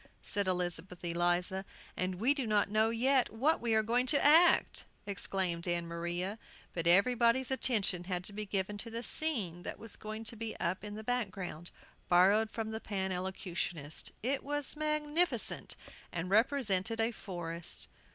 said Elizabeth Eliza. "And we do not know yet what we are going to act!" exclaimed Ann Maria. But everybody's attention had to be given to the scene that was going up in the background, borrowed from the Pan Elocutionists. It was magnificent, and represented a forest.